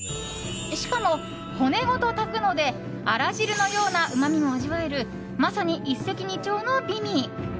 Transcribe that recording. しかも、骨ごと炊くのであら汁のようなうまみも味わえるまさに一石二鳥の美味。